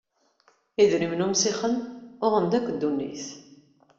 Idrimen umsixen uɣen-d akk ddunit.